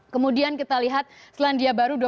kemudian kita lihat selandia baru dua puluh tujuh tujuh jam